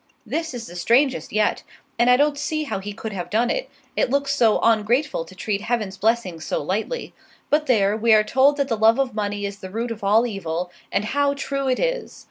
This is the strangest yet, and I don't see how he could have done it; it looks so ongrateful to treat Heaven's blessings so lightly. But there, we are told that the love of money is the root of all evil, and how true it is!